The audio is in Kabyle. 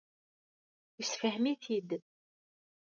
Yessefhem-it-id.